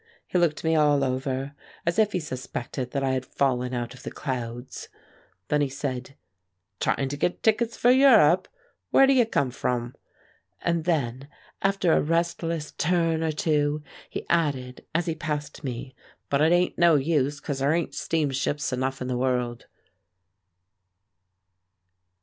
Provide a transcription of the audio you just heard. He looked me all over, as if he suspected that I had fallen out of the clouds. Then he said: "Tryin' to get tickets for Europe! Where d' you come frum?" and then, after a restless turn or two he added as he passed me, "But it ain't no use, 'cause there ain't steamships enough in the world!"